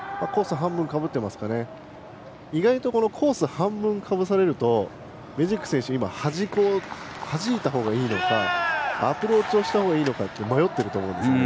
半分かぶっているので意外とそうなるとメジーク選手はじいたほうがいいのかアプローチしたほうがいいのか迷っていると思うんですね。